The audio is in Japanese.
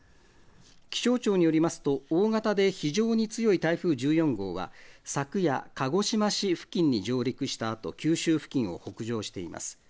気象庁によりますと、大型で非常に強い台風１４号は、昨夜、鹿児島市付近に上陸したあと、九州付近を北上しています。